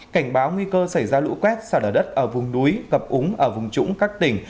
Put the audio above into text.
cảnh báo nguy cơ xảy ra lũ quét xả đỡ đất ở vùng núi cập úng vùng trũng các tỉnh